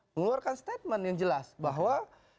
mengeluarkan statement yang jelas bahwa